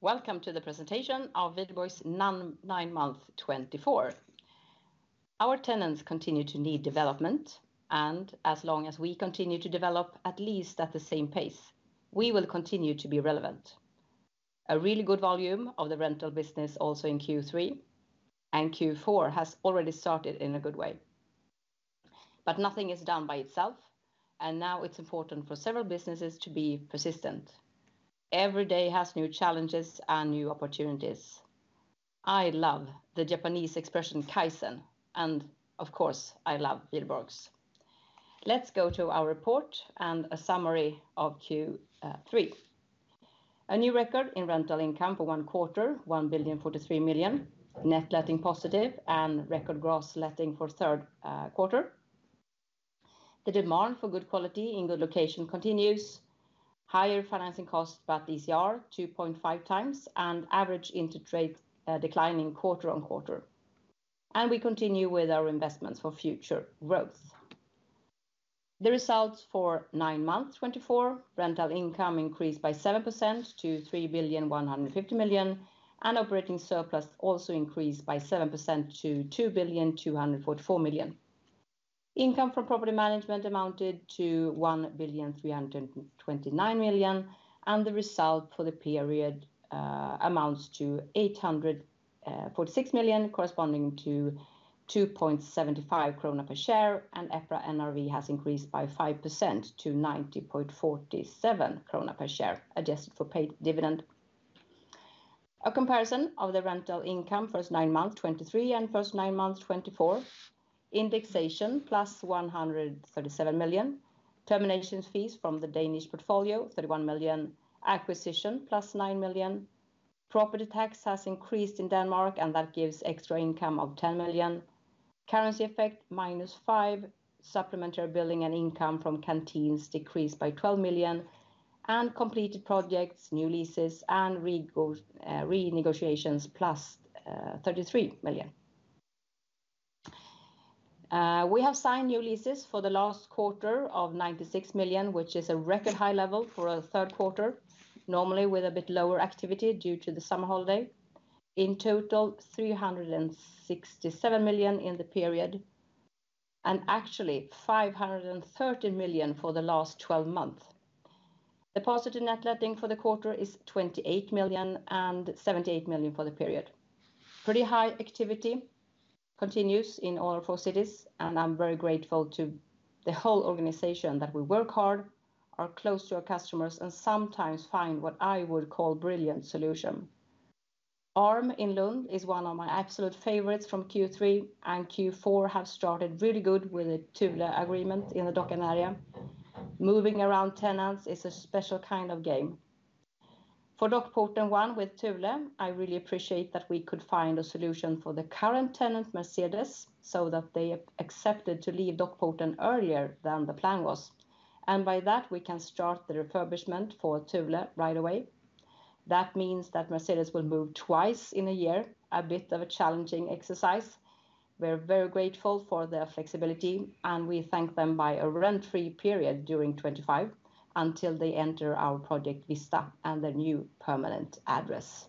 Welcome to the presentation of Wihlborgs nine-month 2024. Our tenants continue to need development, and as long as we continue to develop, at least at the same pace, we will continue to be relevant. A really good volume of the rental business also in Q3, and Q4 has already started in a good way. But nothing is done by itself, and now it's important for several businesses to be persistent. Every day has new challenges and new opportunities. I love the Japanese expression Kaizen, and of course, I love Wihlborgs. Let's go to our report and a summary of Q3. A new record in rental income for one quarter, 1.043 billion, net letting positive, and record gross letting for third quarter. The demand for good quality in good location continues. Higher financing costs, but DCR 2.5 times, and average interest rate declining quarter on quarter. We continue with our investments for future growth. The results for nine months 2024, rental income increased by 7% to 3.150 billion, and operating surplus also increased by 7% to 2.244 billion. Income from property management amounted to 1.329 billion, and the result for the period amounts to 846 million, corresponding to 2.75 krona per share, and EPRA NRV has increased by 5% to 90.47 krona per share, adjusted for paid dividend. A comparison of the rental income first nine months 2023 and first nine months 2024. Indexation + 137 million. Termination fees from the Danish portfolio, 31 million. Acquisition + 9 million. Property tax has increased in Denmark, and that gives extra income of 10 million. Currency effect, minus 5. Supplementary billing and income from canteens decreased by 12 million, and completed projects, new leases, and renegotiations, plus SEK 33 million. We have signed new leases for the last quarter of 96 million, which is a record high level for a third quarter, normally with a bit lower activity due to the summer holiday. In total, 367 million in the period, and actually, 530 million for the last twelve months. The positive net letting for the quarter is 28 million, and 78 million for the period. Pretty high activity continues in all our 4 cities, and I'm very grateful to the whole organization that we work hard, are close to our customers, and sometimes find what I would call brilliant solution. Arm in Lund is one of my absolute favorites from Q3, and Q4 have started really good with a Thule agreement in the Dockan area. Moving around tenants is a special kind of game. For Dockporten 1 with Thule, I really appreciate that we could find a solution for the current tenant, Mercedes, so that they accepted to leave Dockporten earlier than the plan was, and by that, we can start the refurbishment for Thule right away. That means that Mercedes will move twice in a year, a bit of a challenging exercise. We're very grateful for their flexibility, and we thank them by a rent-free period during 2025, until they enter our project, Vista, and their new permanent address.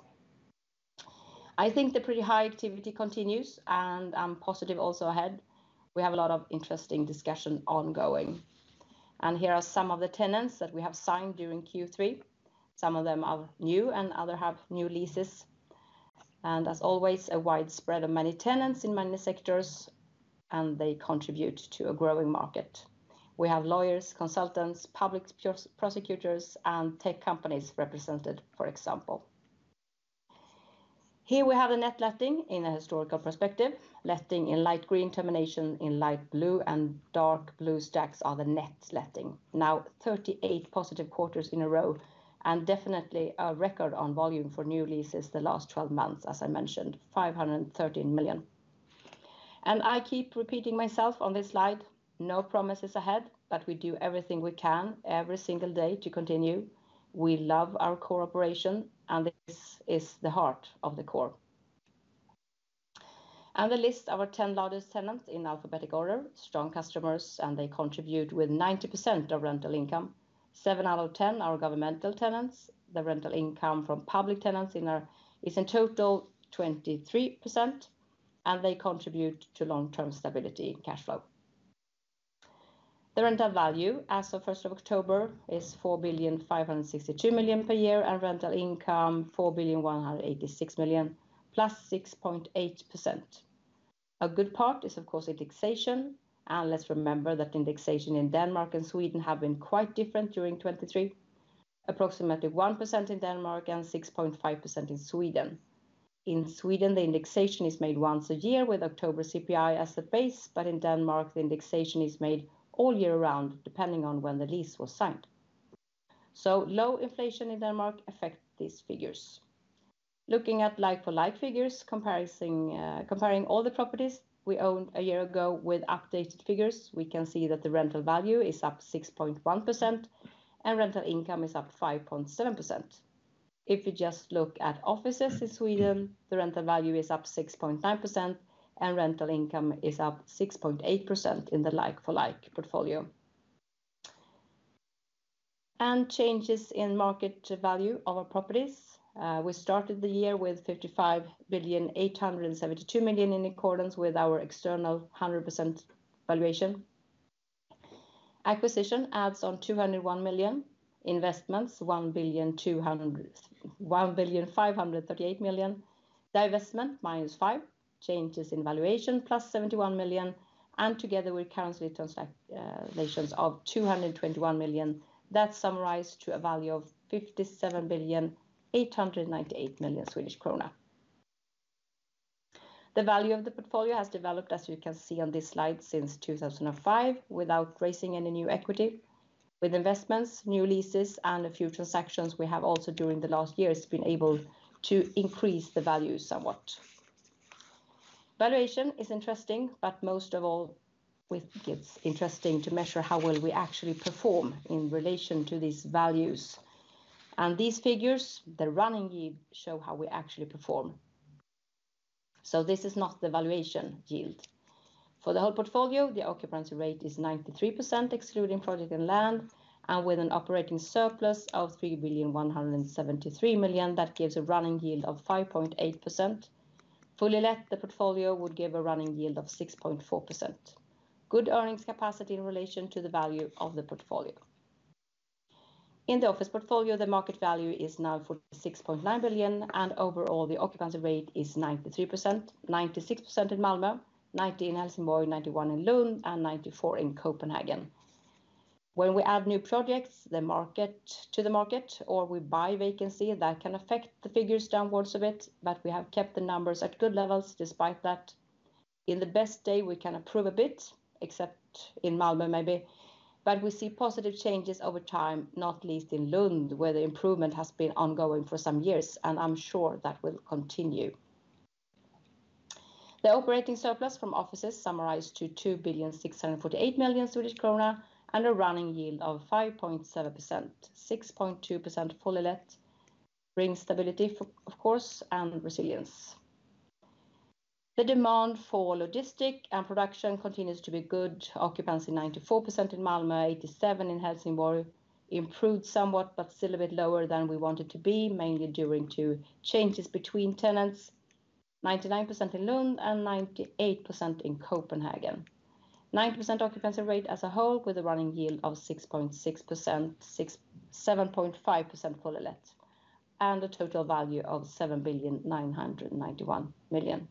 I think the pretty high activity continues, and I'm positive also ahead. We have a lot of interesting discussion ongoing. Here are some of the tenants that we have signed during Q3. Some of them are new, and others have new leases. As always, a wide spread of many tenants in many sectors, and they contribute to a growing market. We have lawyers, consultants, public prosecutors, and tech companies represented, for example. Here we have a net letting in a historical perspective. Letting in light green, termination in light blue, and dark blue stacks are the net letting. Now, 38 positive quarters in a row, and definitely a record on volume for new leases the last twelve months, as I mentioned, 513 million. I keep repeating myself on this slide, no promises ahead, but we do everything we can every single day to continue. We love our core operation, and this is the heart of the core. The list of our 10 largest tenants in alphabetic order, strong customers, and they contribute with 90% of rental income. Seven out of 10 are governmental tenants. The rental income from public tenants in ours is in total 23%, and they contribute to long-term stability cash flow. The rental value as of first of October is 4.562 billion per year, and rental income, 4.186 billion, +6.8%. A good part is, of course, indexation. Let's remember that indexation in Denmark and Sweden have been quite different during 2023, approximately 1% in Denmark and 6.5% in Sweden. In Sweden, the indexation is made once a year with October CPI as the base, but in Denmark, the indexation is made all year round, depending on when the lease was signed. Low inflation in Denmark affects these figures. Looking at like-for-like figures comparison, comparing all the properties we owned a year ago with updated figures, we can see that the rental value is up 6.1% and rental income is up 5.7%. If you just look at offices in Sweden, the rental value is up 6.9%, and rental income is up 6.8% in the like-for-like portfolio. Changes in market value of our properties. We started the year with 35.872 billion, accordance with our external 100% valuation. Acquisition adds on 201 million, investments 1.538 billion, divestment minus 5 million, changes in valuation plus 71 million, and together with currency transactions of 221 million, that summarized to a value of 57.898 billion. The value of the portfolio has developed, as you can see on this slide, since 2005, without raising any new equity. With investments, new leases, and a few transactions, we have also, during the last years, been able to increase the value somewhat. Valuation is interesting, but most of all, we think it's interesting to measure how well we actually perform in relation to these values. And these figures, the running yield, show how we actually perform. So this is not the valuation yield. For the whole portfolio, the occupancy rate is 93%, excluding project and land, and with an operating surplus of 3.173 billion, that gives a running yield of 5.8%. Fully let, the portfolio would give a running yield of 6.4%. Good earnings capacity in relation to the value of the portfolio. In the office portfolio, the market value is now 46.9 billion, and overall, the occupancy rate is 93%, 96% in Malmö, 90% in Helsingborg, 91% in Lund, and 94% in Copenhagen. When we add new projects to the market, or we buy vacancy, that can affect the figures downwards a bit, but we have kept the numbers at good levels despite that. In the best day, we can improve a bit, except in Malmö, maybe, but we see positive changes over time, not least in Lund, where the improvement has been ongoing for some years, and I'm sure that will continue. The operating surplus from offices summarized to 2.648 billion, and a running yield of 5.7%, 6.2% fully let, bring stability, of course, and resilience. The demand for logistics and production continues to be good. Occupancy, 94% in Malmö, 87% in Helsingborg, improved somewhat, but still a bit lower than we want it to be, mainly during two changes between tenants, 99% in Lund and 98% in Copenhagen. 90% occupancy rate as a whole, with a running yield of 6.6%, 7.5% fully let, and a total value of 7.991 billion.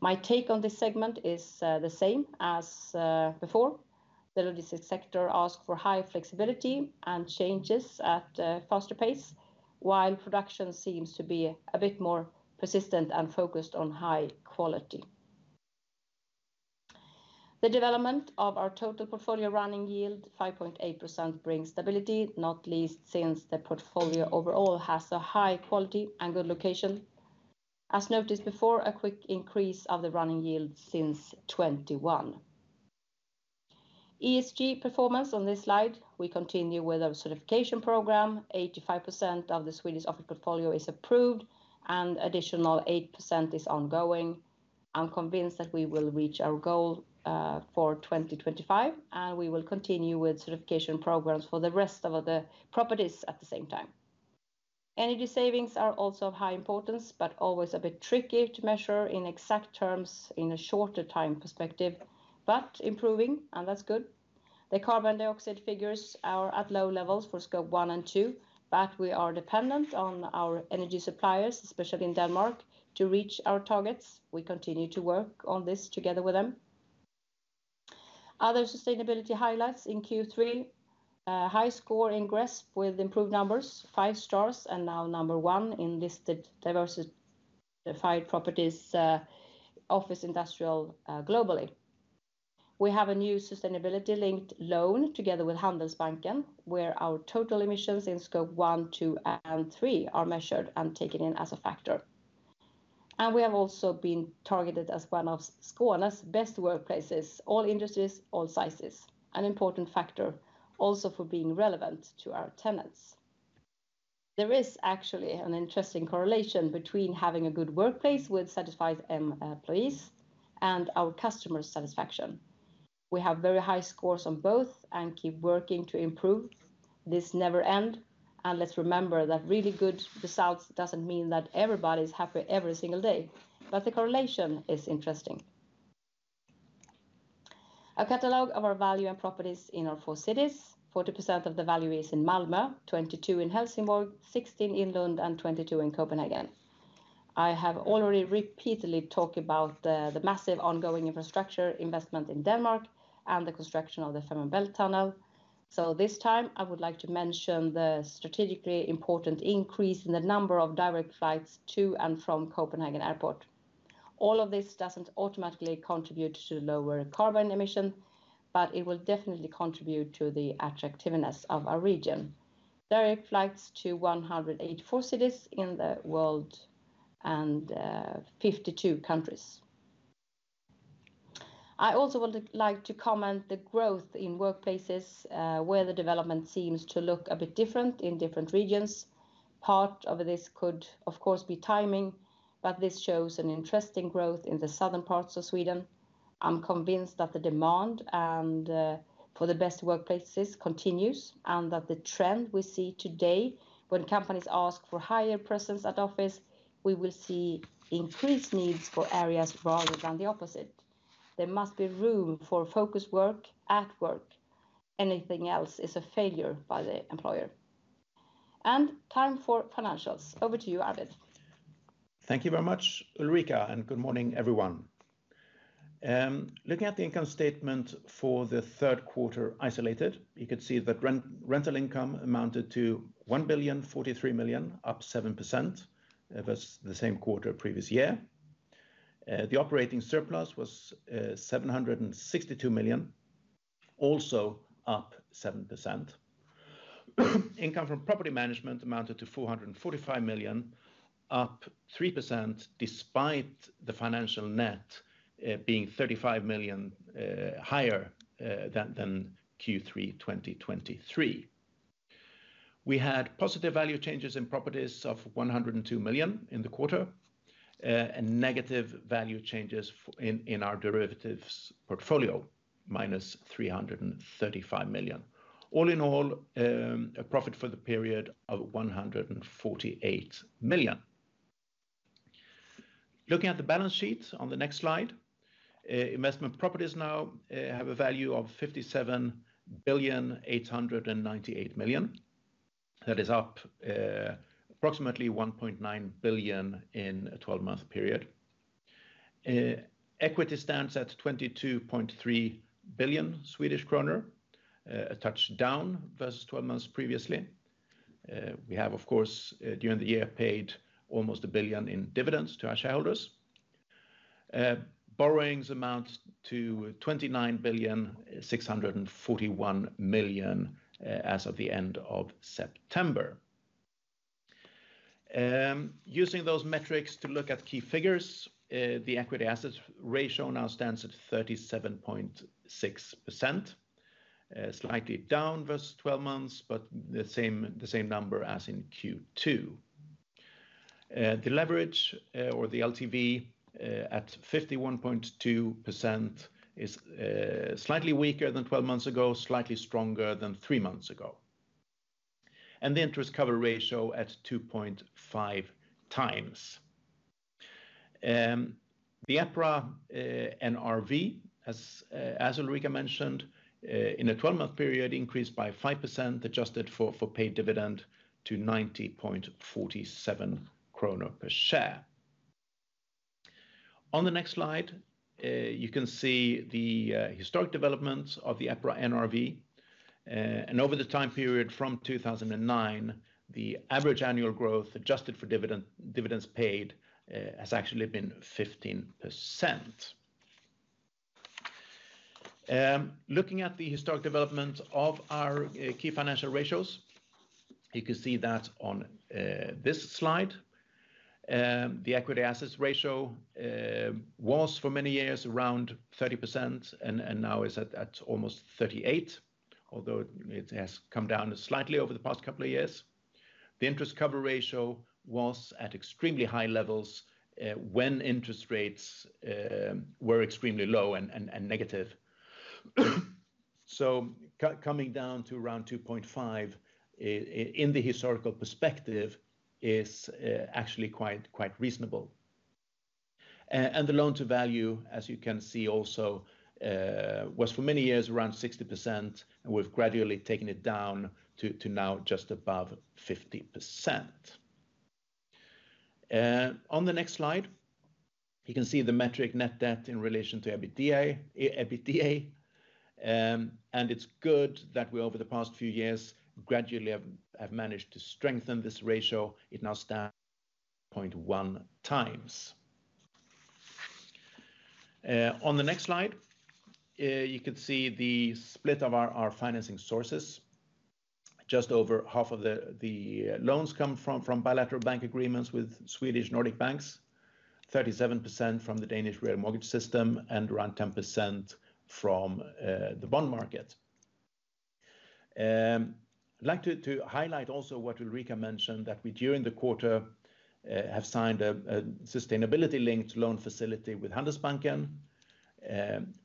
My take on this segment is, the same as, before. The logistic sector ask for high flexibility and changes at a faster pace, while production seems to be a bit more persistent and focused on high quality. The development of our total portfolio running yield, 5.8%, brings stability, not least since the portfolio overall has a high quality and good location. As noticed before, a quick increase of the running yield since 2021. ESG performance on this slide, we continue with our certification program. 85% of the Swedish office portfolio is approved, and additional 8% is ongoing. I'm convinced that we will reach our goal for 2025, and we will continue with certification programs for the rest of the properties at the same time. Energy savings are also of high importance, but always a bit tricky to measure in exact terms in a shorter time perspective, but improving, and that's good. The carbon dioxide figures are at low levels for Scope 1 and 2, but we are dependent on our energy suppliers, especially in Denmark, to reach our targets. We continue to work on this together with them. Other sustainability highlights in Q3, high score in GRESB with improved numbers, five stars, and now number one in listed diversified properties, office, industrial, globally. We have a new sustainability-linked loan together with Handelsbanken, where our total emissions in Scope 1, 2, and 3 are measured and taken in as a factor. We have also been targeted as one of Skåne's best workplaces, all industries, all sizes, an important factor also for being relevant to our tenants. There is actually an interesting correlation between having a good workplace with satisfied employees and our customer satisfaction. We have very high scores on both and keep working to improve. This never end, and let's remember that really good results doesn't mean that everybody's happy every single day, but the correlation is interesting. A catalog of our value and properties in our four cities. 40% of the value is in Malmö, 22 in Helsingborg, 16 in Lund, and 22 in Copenhagen. I have already repeatedly talked about the massive ongoing infrastructure investment in Denmark and the construction of the Fehmarnbelt Tunnel. So this time, I would like to mention the strategically important increase in the number of direct flights to and from Copenhagen Airport. All of this doesn't automatically contribute to lower carbon emission, but it will definitely contribute to the attractiveness of our region. Direct flights to one hundred and eighty-four cities in the world and fifty-two countries. I also would like to comment the growth in workplaces, where the development seems to look a bit different in different regions. Part of this could, of course, be timing, but this shows an interesting growth in the southern parts of Sweden. I'm convinced that the demand and for the best workplaces continues, and that the trend we see today, when companies ask for higher presence at office, we will see increased needs for areas rather than the opposite. There must be room for focus work at work. Anything else is a failure by the employer. And time for financials. Over to you, Arvid. Thank you very much, Ulrika, and good morning, everyone. Looking at the income statement for the third quarter isolated, you could see that rental income amounted to 1.43 billion, up 7%, versus the same quarter previous year. The operating surplus was 762 million, also up 7%. Income from property management amounted to 445 million, up 3%, despite the financial net being 35 million higher than Q3 2023. We had positive value changes in properties of 102 million in the quarter, and negative value changes in our derivatives portfolio, minus 335 million. All in all, a profit for the period of 148 million. Looking at the balance sheet on the next slide, investment properties now have a value of 57.898 billion. That is up approximately 1.9 billion in a twelve-month period. Equity stands at 22.3 billion Swedish kronor, a touch down versus twelve months previously. We have, of course, during the year, paid almost 1 billion in dividends to our shareholders. Borrowings amount to 29.641 billion as of the end of September. Using those metrics to look at key figures, the equity/assets ratio now stands at 37.6%, slightly down versus twelve months, but the same, the same number as in Q2. The leverage, or the LTV, at 51.2% is slightly weaker than twelve months ago, slightly stronger than three months ago. And the interest cover ratio at 2.5 times. The EPRA NRV, as Ulrika mentioned, in a twelve-month period, increased by 5%, adjusted for paid dividend to 90.47 krona per share. On the next slide, you can see the historic developments of the EPRA NRV. And over the time period from 2009, the average annual growth, adjusted for dividends paid, has actually been 15%. Looking at the historic development of our key financial ratios, you can see that on this slide. The equity/assets ratio was for many years around 30%, and now is at almost 38%, although it has come down slightly over the past couple of years. The Interest Cover Ratio was at extremely high levels when interest rates were extremely low and negative. So coming down to around 2.5 in the historical perspective is actually quite reasonable. And the loan-to-value, as you can see also, was for many years around 60%, and we've gradually taken it down to now just above 50%. On the next slide, you can see the metric net debt in relation to EBITDA. And it's good that we, over the past few years, gradually have managed to strengthen this ratio. It now stands at 0.1 times. On the next slide, you can see the split of our financing sources. Just over half of the loans come from bilateral bank agreements with Swedish Nordic banks, 37% from the Danish Realkredit System, and around 10% from the bond market. I'd like to highlight also what Ulrika mentioned, that we, during the quarter, have signed a sustainability-linked loan facility with Handelsbanken,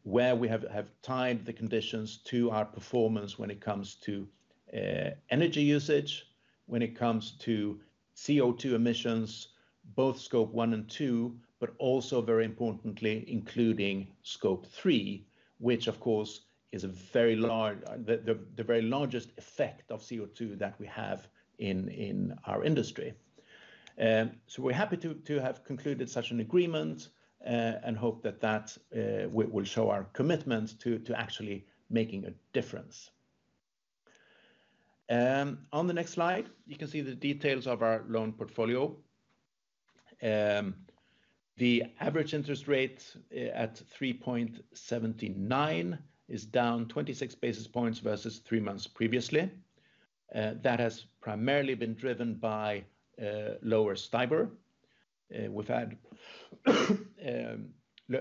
where we have tied the conditions to our performance when it comes to energy usage, when it comes to CO2 emissions, both Scope 1 and 2, but also, very importantly, including Scope 3, which of course is a very large... the very largest effect of CO2 that we have in our industry. So we're happy to have concluded such an agreement, and hope that that will show our commitment to actually making a difference. On the next slide, you can see the details of our loan portfolio. The average interest rate at 3.79 is down 26 basis points versus three months previously. That has primarily been driven by lower STIBOR. We've had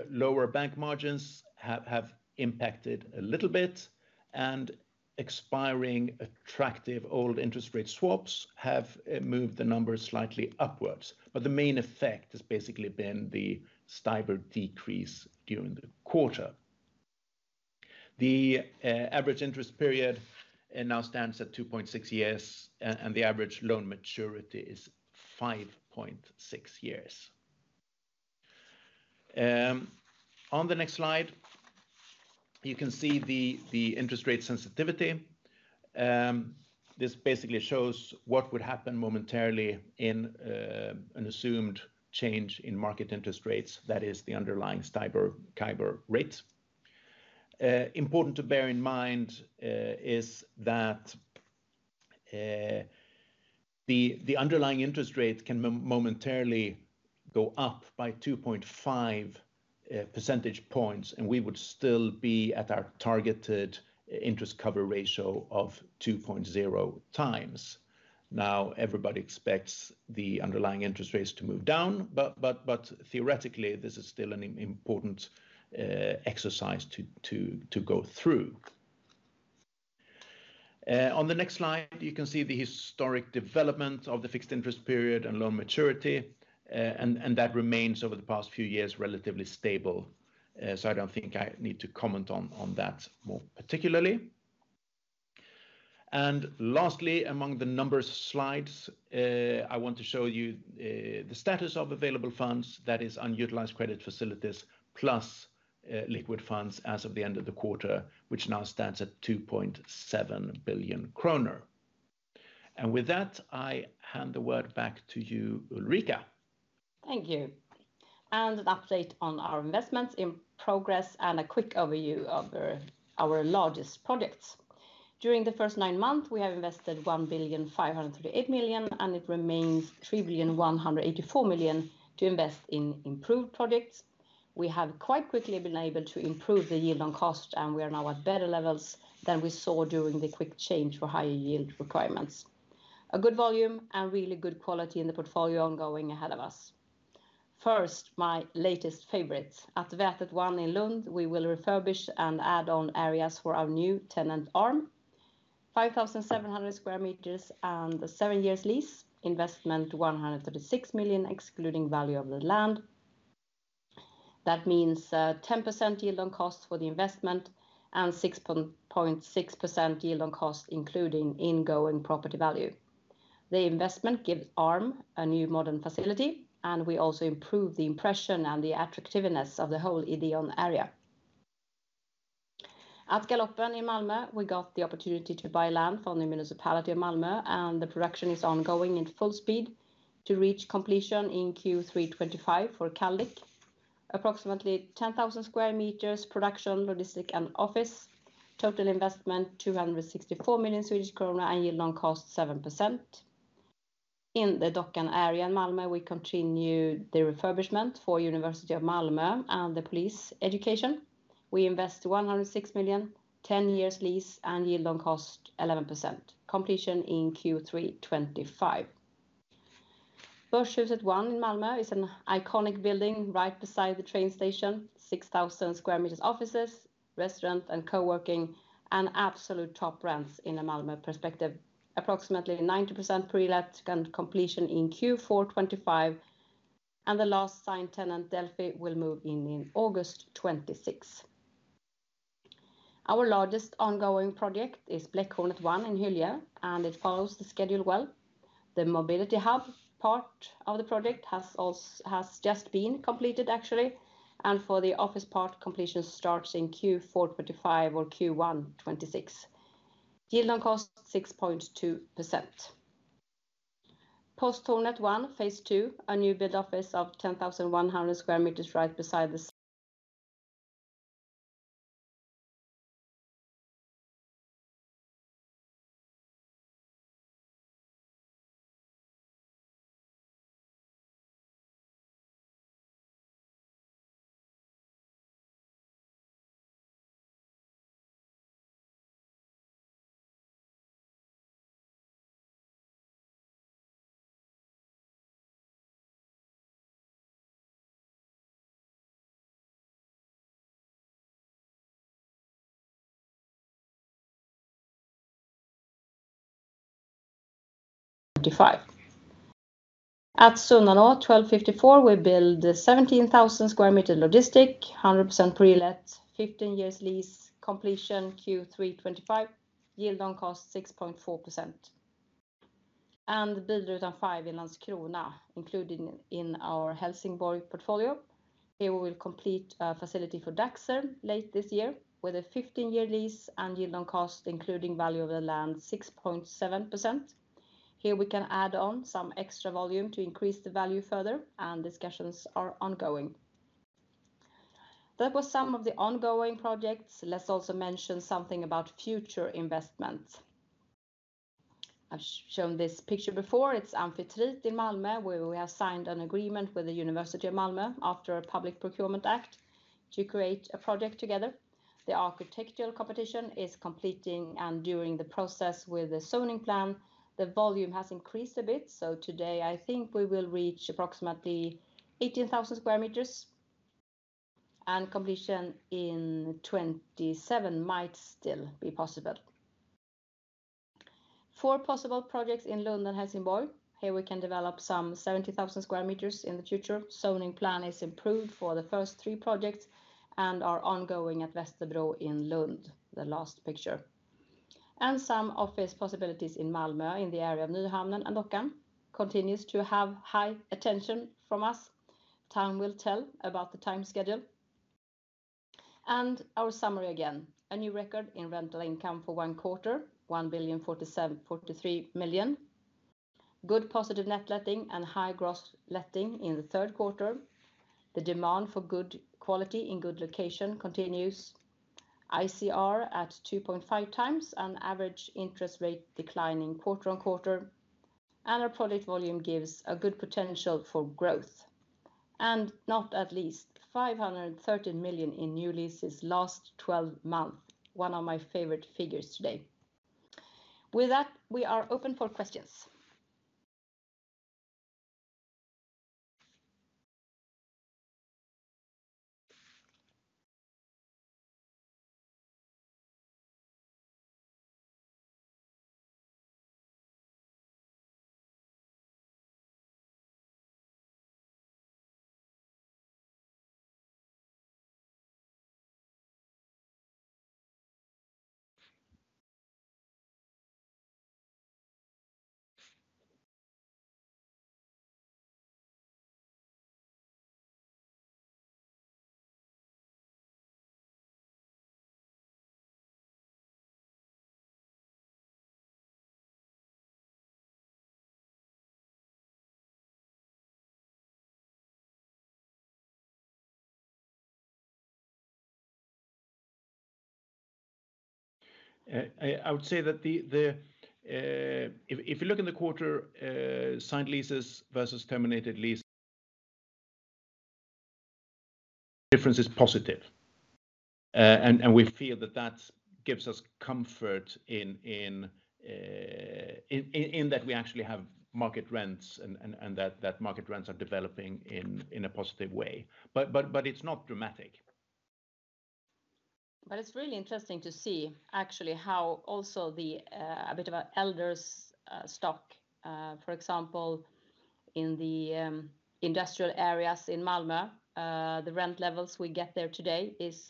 lower bank margins have impacted a little bit, and expiring attractive old interest rate swaps have moved the numbers slightly upwards. But the main effect has basically been the STIBOR decrease during the quarter. The average interest period, it now stands at 2.6 years, and the average loan maturity is 5.6 years. On the next slide, you can see the interest rate sensitivity. This basically shows what would happen momentarily in an assumed change in market interest rates, that is the underlying STIBOR, CIBOR rate. Important to bear in mind is that the underlying interest rate can momentarily go up by 2.5 percentage points, and we would still be at our targeted interest cover ratio of 2.0 times. Now, everybody expects the underlying interest rates to move down, but theoretically, this is still an important exercise to go through. On the next slide, you can see the historic development of the fixed interest period and loan maturity, and that remains over the past few years, relatively stable. So I don't think I need to comment on that more particularly. Lastly, among the numbers slides, I want to show you the status of available funds, that is, unutilized credit facilities, plus liquid funds as of the end of the quarter, which now stands at 2.7 billion kronor. With that, I hand the word back to you, Ulrika. Thank you. And an update on our investments in progress and a quick overview of our largest projects. During the first nine months, we have invested 1.538 billion, and it remains 3.184 billion to invest in improved projects. We have quite quickly been able to improve the yield on cost, and we are now at better levels than we saw during the quick change for higher yield requirements. A good volume and really good quality in the portfolio ongoing ahead of us. First, my latest favorite. At Vätet 1 in Lund, we will refurbish and add on areas for our new tenant Arm, 5,700 sq m and 7-year lease, investment of 136 million, excluding value of the land. That means, 10% yield on cost for the investment and 6.6% yield on cost, including incoming property value. The investment gives Arm a new modern facility, and we also improve the impression and the attractiveness of the whole Ideon area. At Galoppen in Malmö, we got the opportunity to buy land from the municipality of Malmö, and the production is ongoing in full speed to reach completion in Q3 2025 for Caldic. Approximately 10,000 sq m, production, logistics, and office. Total investment, 264 million Swedish krona, and yield on cost, 7%. In the Dockan area in Malmö, we continue the refurbishment for Malmö University and the police education. We invest 106 million, 10-year lease, and yield on cost, 11%. Completion in Q3 2025. Börshuset 1 in Malmö is an iconic building right beside the train station, 6,000 sq m, offices, restaurant, and co-working, and absolute top rents in a Malmö perspective. Approximately 90% pre-let and completion in Q4 2025, and the last signed tenant, Delphi, will move in in August 2026. Our largest ongoing project is Bläckhornet 1 in Hyllie, and it follows the schedule well. The mobility hub part of the project has just been completed, actually, and for the office part, completion starts in Q4 2025 or Q1 2026. Yield on cost, 6.2%. Posthornet 1, phase two, a new build office of 10,100 sq m right beside at Sunnanå 12:54, we build 17,000 sq m logistics, 100% pre-let, 15-year lease, completion Q3 2025, yield on cost, 6.4%. Bilrutan 5 in Landskrona, including in our Helsingborg portfolio. Here, we will complete a facility for DACHSER late this year with a fifteen-year lease and yield on cost, including value of the land, 6.7%. Here we can add on some extra volume to increase the value further, and discussions are ongoing. That was some of the ongoing projects. Let's also mention something about future investments. I've shown this picture before. It's Amfitrite in Malmö, where we have signed an agreement with Malmö University after a public procurement act to create a project together. The architectural competition is completing, and during the process with the zoning plan, the volume has increased a bit. So today, I think we will reach approximately 18,000 sq m, and completion in twenty-seven might still be possible. Four possible projects in Lund and Helsingborg. Here we can develop some 70,000 sq m in the future. Zoning plan is improved for the first three projects, and are ongoing at Västerbro in Lund, the last picture. Some office possibilities in Malmö, in the area of Nyhamnen and Dockan, continues to have high attention from us. Time will tell about the time schedule. Our summary again, a new record in rental income for one quarter, 1.043 billion. Good positive net letting and high gross letting in the third quarter. The demand for good quality in good location continues. ICR at 2.5 times, and average interest rate declining quarter on quarter. Our product volume gives a good potential for growth. Not least, 513 million in new leases last twelve months, one of my favorite figures today. With that, we are open for questions. I would say that the... If you look in the quarter, signed leases versus terminated lease, difference is positive. And we feel that that gives us comfort in that we actually have market rents and that market rents are developing in a positive way. But it's not dramatic. But it's really interesting to see actually how also the a bit of an older stock, for example, in the industrial areas in Malmö, the rent levels we get there today is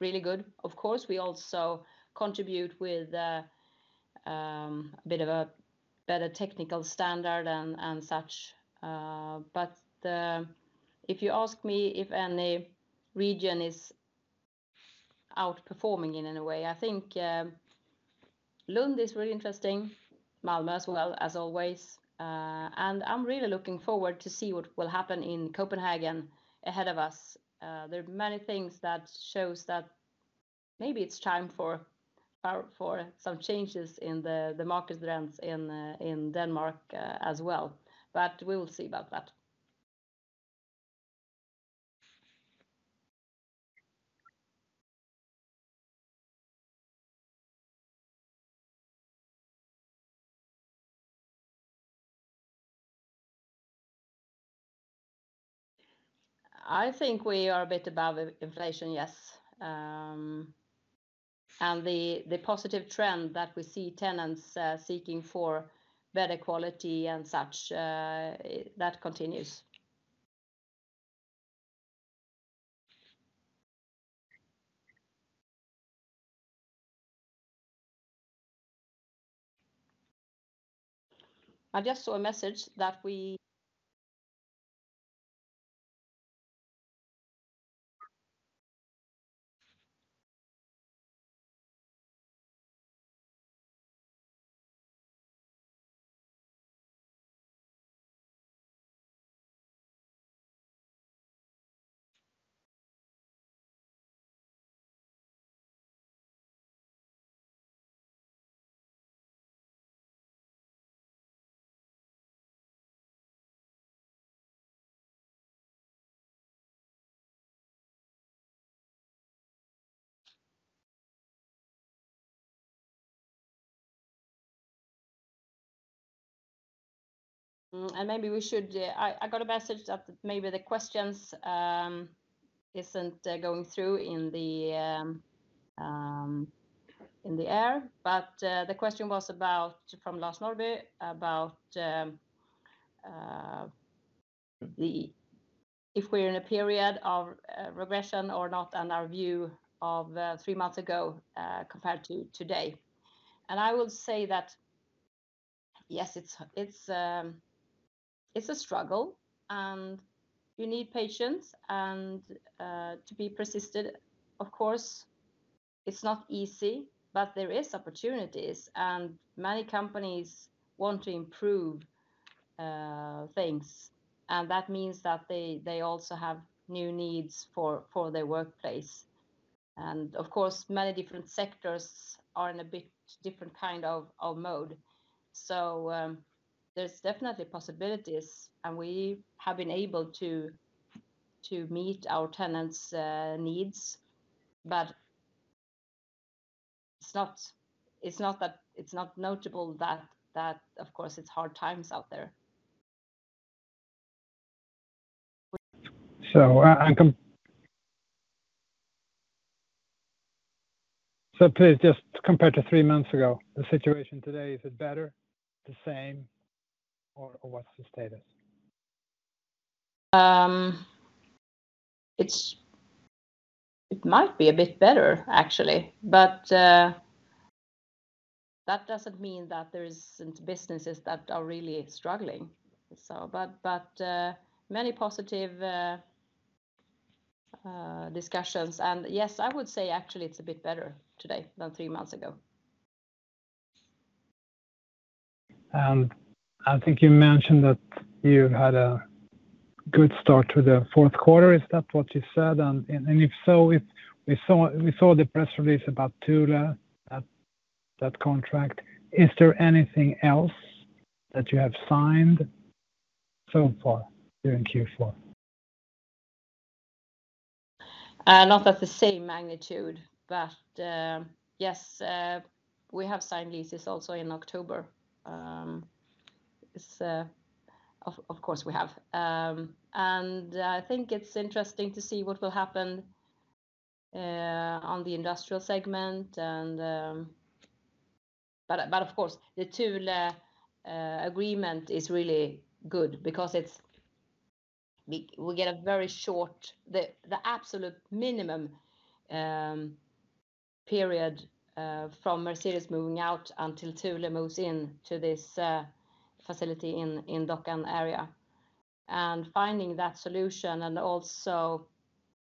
really good. Of course, we also contribute with a bit of a better technical standard and such. But if you ask me if any region is outperforming in any way, I think Lund is really interesting, Malmö as well, as always. And I'm really looking forward to see what will happen in Copenhagen ahead of us. There are many things that shows that maybe it's time for some changes in the market rents in Denmark as well, but we will see about that. I think we are a bit above the inflation, yes. And the positive trend that we see tenants seeking for better quality and such, that continues. I just saw a message. I got a message that maybe the questions isn't going through in the air. But the question was about from Lars Norrby about if we're in a period of regression or not, and our view of three months ago compared to today. And I would say that yes, it's a struggle, and you need patience, and to be persistent. Of course, it's not easy, but there is opportunities, and many companies want to improve things, and that means that they also have new needs for their workplace. And of course, many different sectors are in a bit different kind of mode. So, there's definitely possibilities, and we have been able to meet our tenants' needs. But it's not that it's not notable that of course, it's hard times out there. Please, just compared to three months ago, the situation today, is it better, the same, or what's the status? It might be a bit better, actually, but that doesn't mean that there isn't businesses that are really struggling, so. But many positive discussions and yes, I would say actually it's a bit better today than three months ago. I think you mentioned that you had a good start to the fourth quarter. Is that what you said? And if so, we saw the press release about Thule, that contract. Is there anything else that you have signed so far during Q4? Not at the same magnitude, but yes, we have signed leases also in October. Of course we have, and I think it's interesting to see what will happen on the industrial segment, but of course, the Thule agreement is really good because we get a very short, the absolute minimum period from Mercedes moving out until Thule moves in to this facility in Dockan area, and finding that solution and also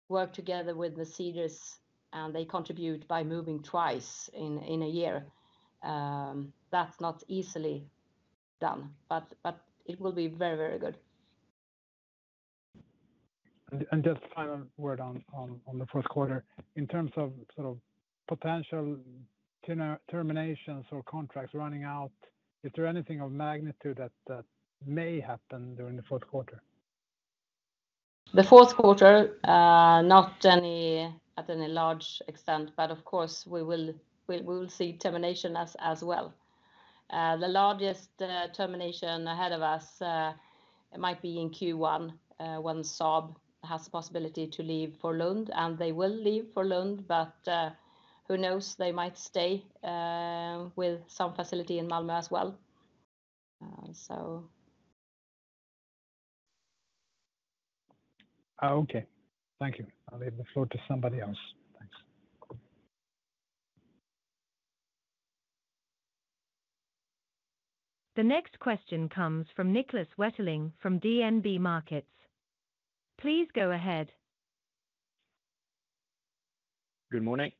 work together with Mercedes, and they contribute by moving twice in a year. That's not easily done, but it will be very, very good. Just final word on the fourth quarter. In terms of sort of potential terminations or contracts running out, is there anything of magnitude that may happen during the fourth quarter? The fourth quarter, not to any large extent, but of course we will see termination as well. The largest termination ahead of us might be in Q1, when Saab has the possibility to leave for Lund, and they will leave for Lund. But who knows? They might stay with some facility in Malmö as well, so. Okay, thank you. I'll leave the floor to somebody else. Thanks. The next question comes from Niklas Wetterling from DNB Markets. Please go ahead. Good morning.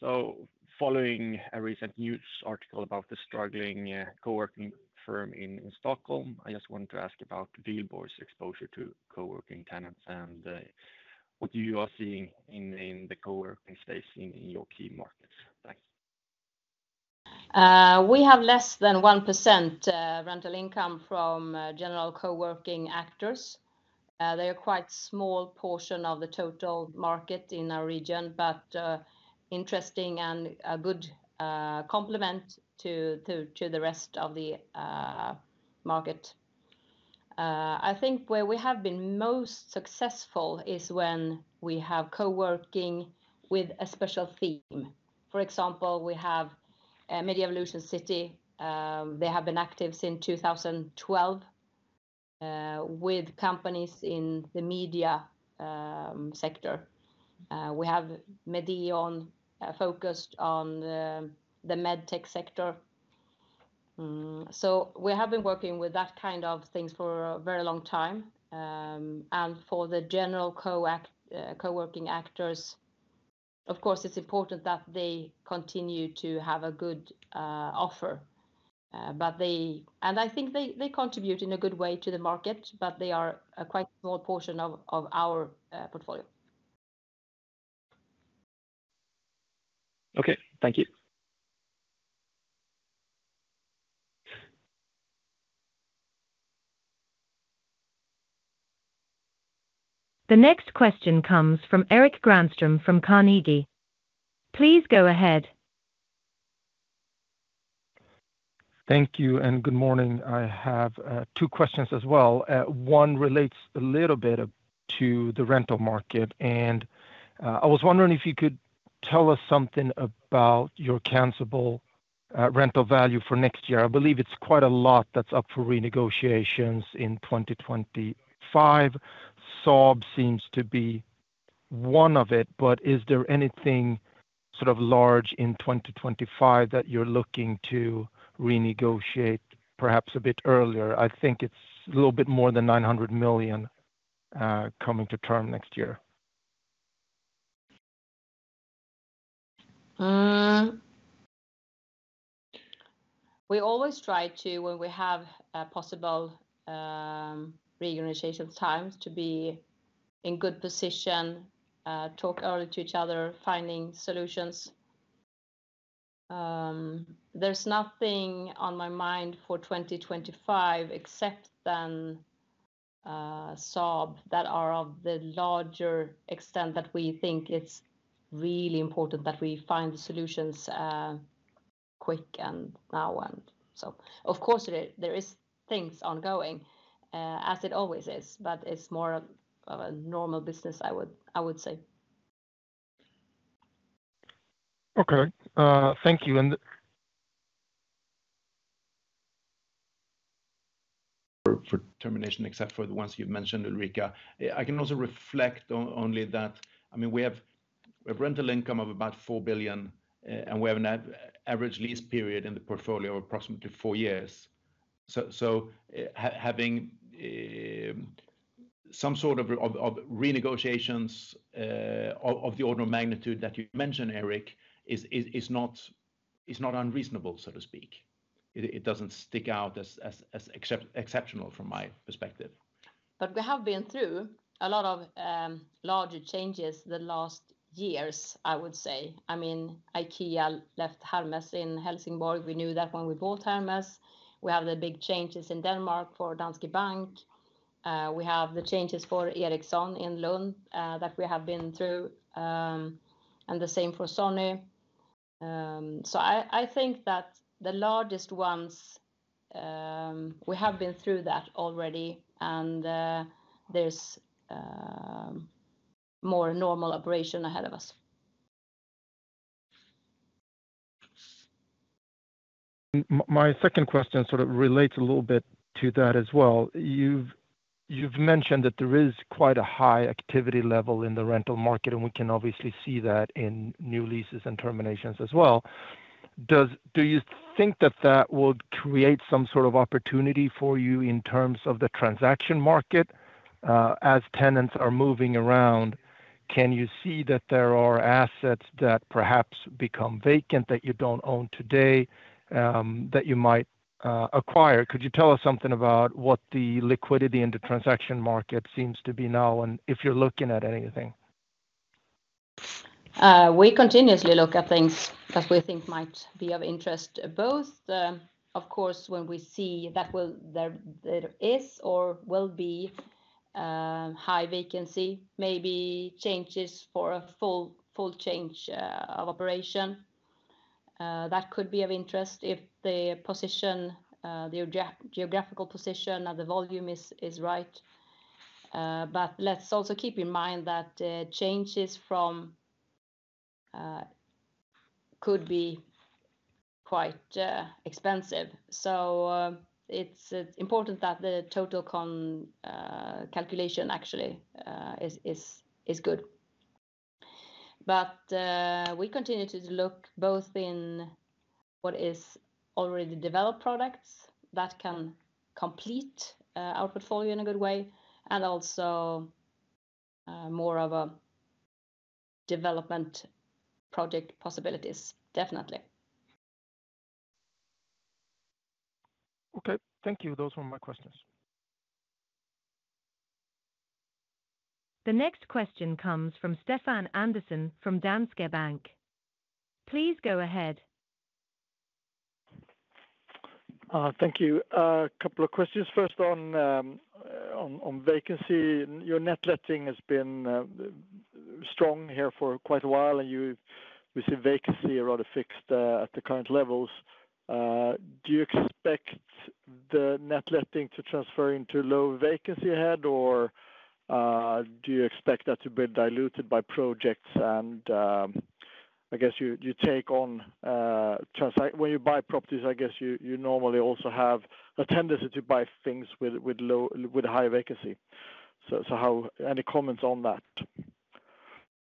So following a recent news article about the struggling co-working firm in Stockholm, I just wanted to ask about Wihlborgs' exposure to co-working tenants and what you are seeing in the co-working space in your key markets. Thanks. We have less than 1% rental income from general co-working actors. They are quite small portion of the total market in our region, but interesting and a good complement to the rest of the market. I think where we have been most successful is when we have co-working with a special theme. For example, we have Media Evolution City. They have been active since 2012 with companies in the media sector. We have Medeon focused on the med tech sector. So we have been working with that kind of things for a very long time. And for the general co-working actors, of course, it's important that they continue to have a good offer, but they... And I think they contribute in a good way to the market, but they are a quite small portion of our portfolio. Okay. Thank you. The next question comes from Erik Granström from Carnegie. Please go ahead. Thank you, and good morning. I have two questions as well. One relates a little bit to the rental market, and I was wondering if you could tell us something about your cancelable rental value for next year. I believe it's quite a lot that's up for renegotiations in 2025. Saab seems to be one of it, but is there anything sort of large in 2025 that you're looking to renegotiate perhaps a bit earlier? I think it's a little bit more than 900 million SEK coming to term next year. ... We always try to, when we have a possible, renegotiation times to be in good position, talk early to each other, finding solutions. There's nothing on my mind for 2025 except than, Saab, that are of the larger extent that we think it's really important that we find the solutions, quick and now, and so. Of course, there is things ongoing, as it always is, but it's more of a normal business, I would say. Okay, thank you, and- For termination, except for the ones you've mentioned, Ulrika. I can also reflect only that, I mean, we have rental income of about 4 billion, and we have an average lease period in the portfolio of approximately four years. So, having some sort of renegotiations of the order of magnitude that you mentioned, Erik, is not unreasonable, so to speak. It doesn't stick out as exceptional from my perspective. But we have been through a lot of larger changes the last years, I would say. I mean, IKEA left Hermes in Helsingborg. We knew that when we bought Hermes. We have the big changes in Denmark for Danske Bank. We have the changes for Ericsson in Lund, that we have been through, and the same for Sony. So I think that the largest ones, we have been through that already, and there's more normal operation ahead of us. My second question sort of relates a little bit to that as well. You've mentioned that there is quite a high activity level in the rental market, and we can obviously see that in new leases and terminations as well. Do you think that that will create some sort of opportunity for you in terms of the transaction market? As tenants are moving around, can you see that there are assets that perhaps become vacant, that you don't own today, that you might acquire? Could you tell us something about what the liquidity in the transaction market seems to be now, and if you're looking at anything? We continuously look at things that we think might be of interest. Both, of course, when we see that will... There is or will be high vacancy, maybe changes for a full change of operation that could be of interest if the position, the geographical position and the volume is right. But let's also keep in mind that changes from could be quite expensive. So, it's important that the total calculation actually is good. But we continue to look both in what is already developed products that can complete our portfolio in a good way, and also more of a development project possibilities, definitely. Okay. Thank you. Those were my questions. The next question comes from Stefan Andersson from Danske Bank. Please go ahead. Thank you. A couple of questions. First, on vacancy. Your net letting has been strong here for quite a while, and we see vacancy rather fixed at the current levels. Do you expect the net letting to transfer into low vacancy ahead, or do you expect that to be diluted by projects? And I guess you take on when you buy properties, I guess you normally also have a tendency to buy things with high vacancy. So how... Any comments on that?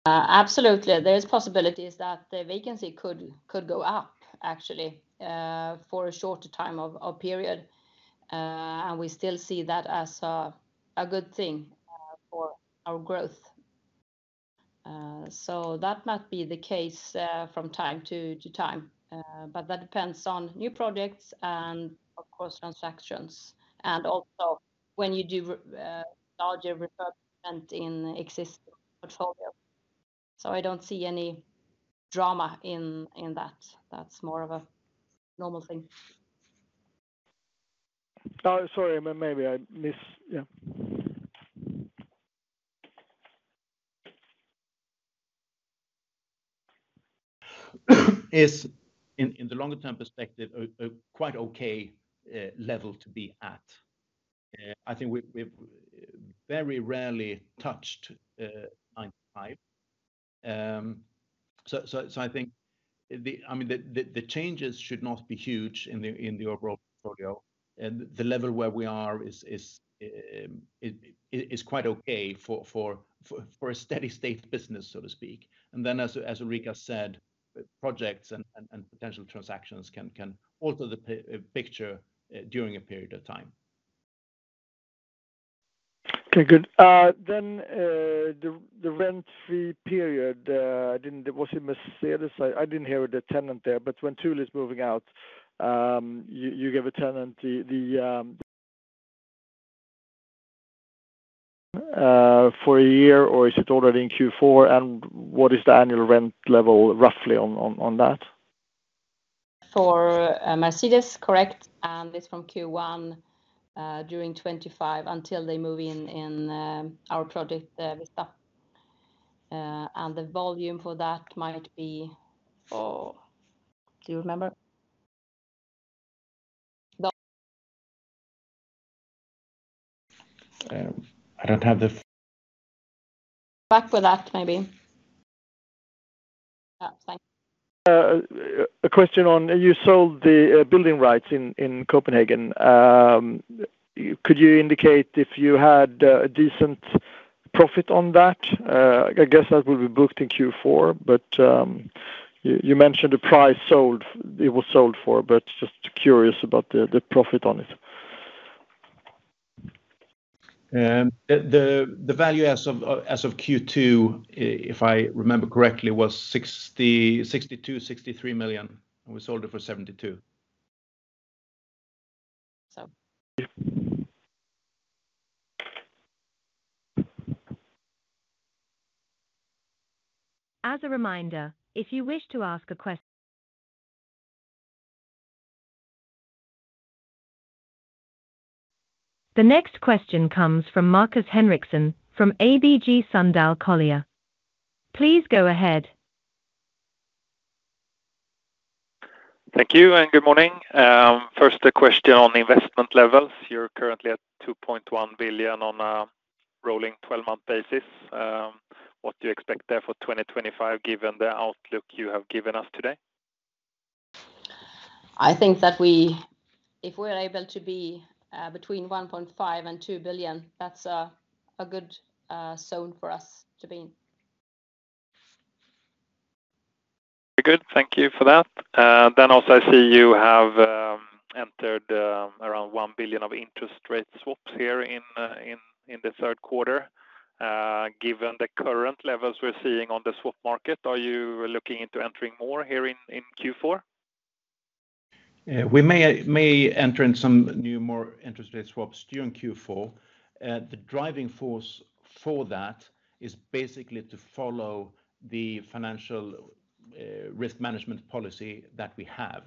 Absolutely. There's possibilities that the vacancy could go up, actually, for a shorter time or period, and we still see that as a good thing for our growth, so that might be the case from time to time, but that depends on new projects and, of course, transactions, and also when you do larger refurbishment in existing portfolio, so I don't see any drama in that. That's more of a normal thing. Sorry, maybe I missed... Yeah. Is in the longer-term perspective a quite okay level to be at. I think we've very rarely touched ninety-five. So I think I mean the changes should not be huge in the overall portfolio, and the level where we are is quite okay for a steady state business, so to speak. And then as Ulrika said, projects and potential transactions can alter the picture during a period of time. ... Okay, good. Then, the rent free period, I didn't. Was it Mercedes? I didn't hear the tenant there, but when Thule is moving out, you give a tenant the for a year, or is it already in Q4? And what is the annual rent level, roughly, on that? For Mercedes, correct, and it's from Q1 during twenty-five until they move in our project with that. And the volume for that might be... Oh, do you remember? I don't have the- Back with that, maybe. Yeah, thanks. A question on you sold the building rights in Copenhagen. Could you indicate if you had a decent profit on that? I guess that will be booked in Q4, but you mentioned the price sold - it was sold for, but just curious about the profit on it. The value as of Q2, if I remember correctly, was 62 million-63 million, and we sold it for 72 million. So. Yeah. As a reminder, if you wish to ask a question... The next question comes from Marcus Henriksson from ABG Sundal Collier. Please go ahead. Thank you, and good morning. First, a question on investment levels. You're currently at 2.1 billion on a rolling twelve-month basis. What do you expect there for 2025, given the outlook you have given us today? I think that if we're able to be between 1.5 billion and 2 billion, that's a good zone for us to be in. Good. Thank you for that. Then also, I see you have entered around 1 billion of interest rate swaps here in the third quarter. Given the current levels we're seeing on the swap market, are you looking into entering more here in Q4? We may enter in some new more interest rate swaps during Q4. The driving force for that is basically to follow the financial risk management policy that we have.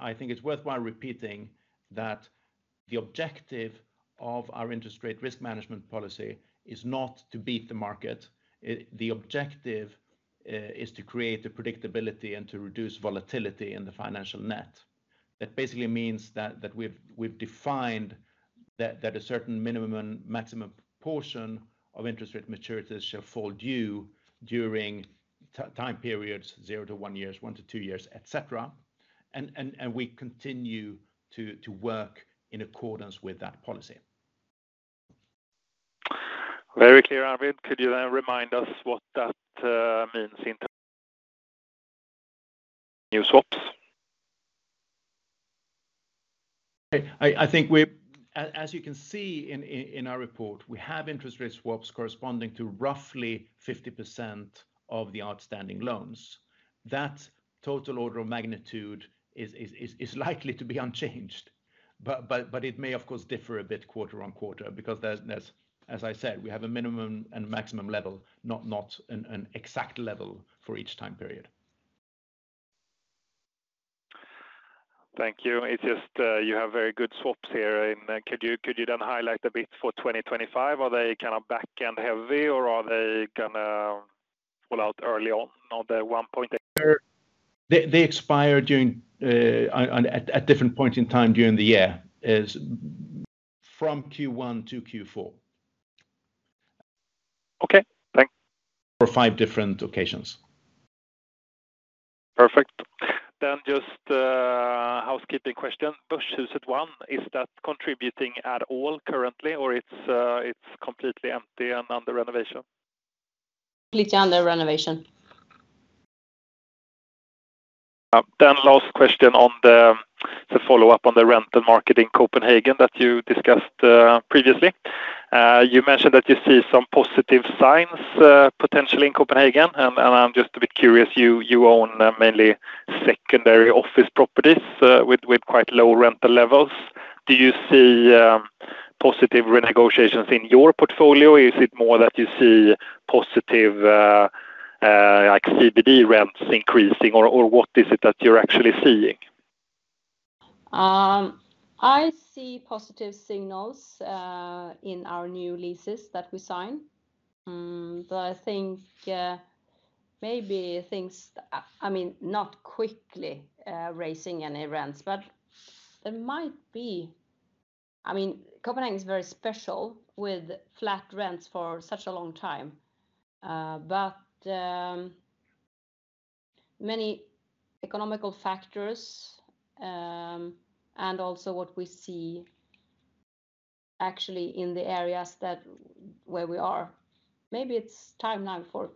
I think it's worthwhile repeating that the objective of our interest rate risk management policy is not to beat the market. The objective is to create the predictability and to reduce volatility in the financial net. That basically means that we've defined that a certain minimum and maximum portion of interest rate maturities shall fall due during time periods, zero to one years, one to two years, et cetera. We continue to work in accordance with that policy. Very clear, Arvid. Could you then remind us what that means in terms of new swaps? I think we—as you can see in our report, we have interest rate swaps corresponding to roughly 50% of the outstanding loans. That total order of magnitude is likely to be unchanged. But it may, of course, differ a bit quarter on quarter because there's, as I said, we have a minimum and maximum level, not an exact level for each time period. Thank you. It's just, you have very good swaps here, and, could you then highlight a bit for 2025? Are they kind of back-end heavy, or are they gonna fall out early on, on the one point eight? They expire at different points in time during the year from Q1 to Q4. Okay, thanks. Four or five different occasions. Perfect. Then just, housekeeping question. Börshuset 1, is that contributing at all currently, or it's completely empty and under renovation? Completely under renovation. Then last question on the follow-up on the rental market in Copenhagen that you discussed previously. You mentioned that you see some positive signs potentially in Copenhagen, and I'm just a bit curious, you own mainly secondary office properties with quite low rental levels. Do you see positive renegotiations in your portfolio? Is it more that you see positive like CBD rents increasing, or what is it that you're actually seeing? I see positive signals in our new leases that we sign. But I think maybe things... I mean, not quickly raising any rents, but there might be... I mean, Copenhagen is very special with flat rents for such a long time. But many economic factors and also what we see actually in the areas that where we are, maybe it's time now for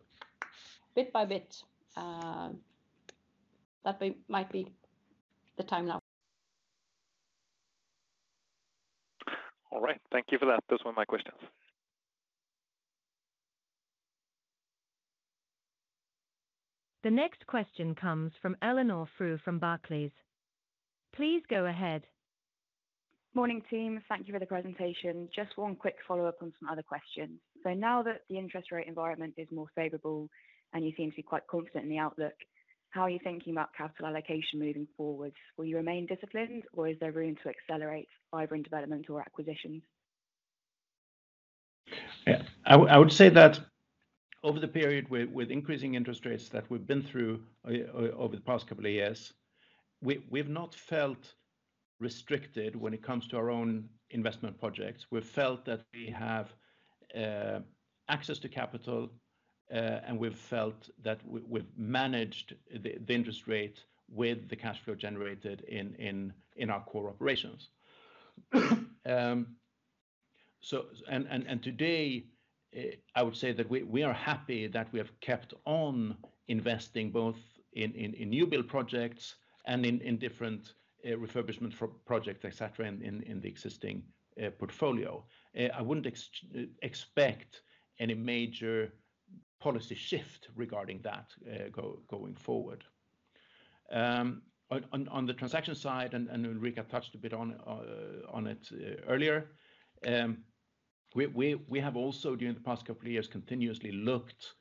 bit by bit.… that might be the time now. All right. Thank you for that. Those were my questions. The next question comes from Eleanor Frew from Barclays. Please go ahead. Morning, team. Thank you for the presentation. Just one quick follow-up on some other questions. So now that the interest rate environment is more favorable, and you seem to be quite confident in the outlook, how are you thinking about capital allocation moving forward? Will you remain disciplined, or is there room to accelerate fiber development or acquisitions? Yeah, I would say that over the period with increasing interest rates that we've been through over the past couple of years, we've not felt restricted when it comes to our own investment projects. We've felt that we have access to capital, and we've felt that we've managed the interest rate with the cash flow generated in our core operations. So and today, I would say that we are happy that we have kept on investing both in new build projects and in different refurbishment for project, et cetera, in the existing portfolio. I wouldn't expect any major policy shift regarding that going forward. On the transaction side, and Ulrika touched a bit on it earlier, we have also, during the past couple of years, continuously looked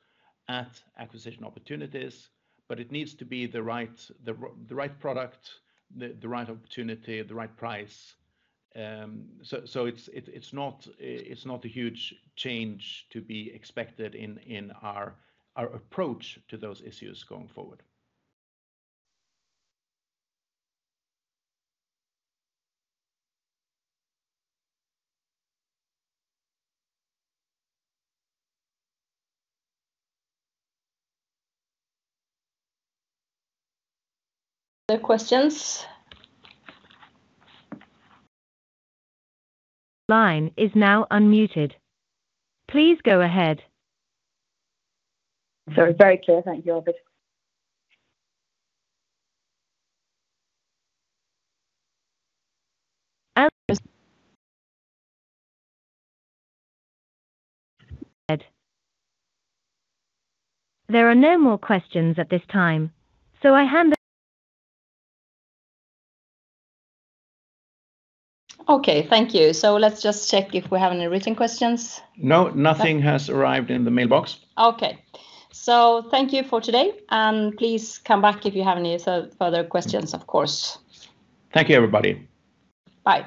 at acquisition opportunities, but it needs to be the right product, the right opportunity, the right price. So it's not a huge change to be expected in our approach to those issues going forward. Other questions? Line is now unmuted. Please go ahead. Sorry, very clear. Thank you, Arvid. There are no more questions at this time, so I hand the- Okay, thank you. So let's just check if we have any written questions. No, nothing has arrived in the mailbox. Okay. So thank you for today, and please come back if you have any further questions, of course. Thank you, everybody. Bye.